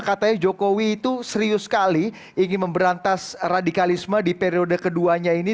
katanya jokowi itu serius sekali ingin memberantas radikalisme di periode keduanya ini